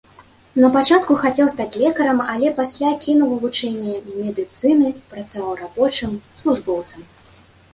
Напачатку хацеў стаць лекарам, але пасля кінуў вывучэнне медыцыны, працаваў рабочым, службоўцам.